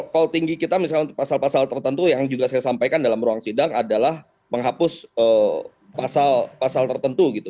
kalau tinggi kita misalnya untuk pasal pasal tertentu yang juga saya sampaikan dalam ruang sidang adalah menghapus pasal pasal tertentu gitu